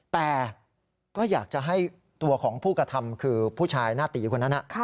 แต่ก็อยากจะให้ตัวของผู้กระทำคือผู้ชายหน้าตีคนนั้น